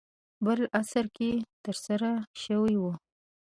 بل عصر کې ترسره شوی و.